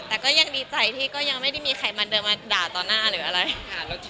แต่ก็ยังดีใจที่ก็ยังไม่ได้มีใครมาเดินมาด่าต่อหน้าหรืออะไรค่ะ